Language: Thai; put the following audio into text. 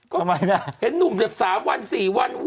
ก็เห็นหนุ่มเดี๋ยว๓วัน๔วัน